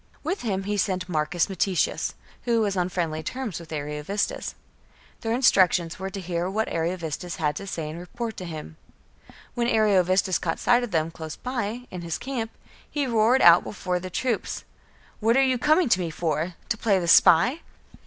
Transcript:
With him he sent Marcus Metius, who was on friendly terms with Ariovistus. Their instructions were to hear what Ariovistus had to say and report to him. When Ariovistus caught sight of them, close by, in his camp, he roared out before the troops, "What are you coming to me for? To play the spy?"